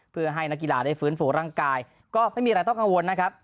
เพื่อให้นักกีฬาได้ฟื้นฟูร่างกายก็ไม่มีอะไรต้องกังวลนะครับ